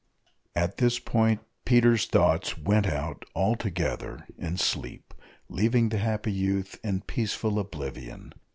At this point Peter's thoughts went out altogether in sleep, leaving the happy youth in peaceful oblivion.